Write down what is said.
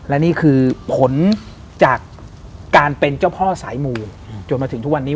และนี่คือผลจากการเป็นเจ้าพ่อสายมูจนมาถึงทุกวันนี้